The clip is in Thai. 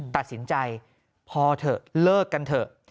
ตัดสินใจพอเถอะเลิกกันเถอะ